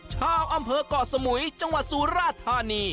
ชาวอำเภอกเกาะสมุยจังหวัดสุราธานี